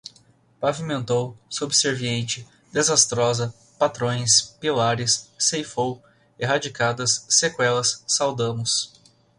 Pavimentou, subserviente, desastrosa, patrões, pilares, ceifou, erradicadas, sequelas, saudamos